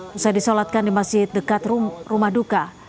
setelah disolatkan di masjid dekat rumah duka